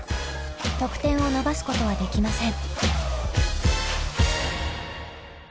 得点を伸ばすことはできません。